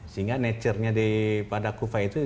sehingga nature nya pada kufa itu